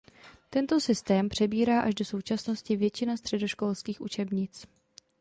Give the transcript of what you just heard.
Tento systém přebírá až do současnosti většina středoškolských učebnic.